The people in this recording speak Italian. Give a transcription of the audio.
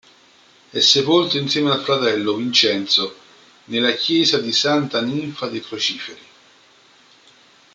È sepolto insieme al fratello Vincenzo nella Chiesa di Santa Ninfa dei Crociferi.